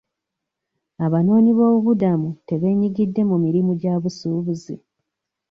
Abanoonyi b'obubuddamu tebeenyigidde mu mirimu gya busuubuzi.